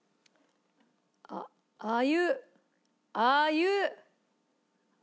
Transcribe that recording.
あっあゆ。